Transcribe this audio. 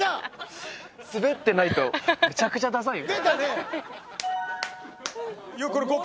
滑ってないとめちゃくちゃダサいよ。